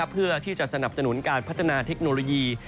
เพื่อที่จะสนับสนุนการพัฒนาเทคโนโลยี